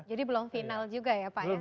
jadi belum final juga ya pak ya